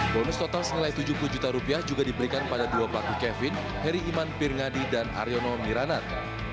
bonus total senilai tujuh puluh juta rupiah juga diberikan pada dua pelaku kevin heri iman pirngadi dan aryono miranat